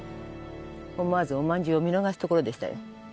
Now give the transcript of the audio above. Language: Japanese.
思わずおまんじゅうを見逃すところでしたよ